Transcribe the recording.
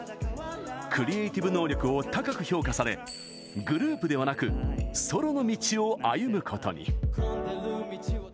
クリエーティブ能力を高く評価され、グループではなくソロの道を歩むことに。